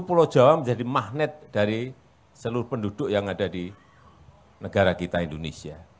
pulau jawa menjadi magnet dari seluruh penduduk yang ada di negara kita indonesia